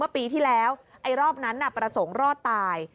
เมื่อปีที่แล้วรอบนั้นน่ะประสงค์รอดตาย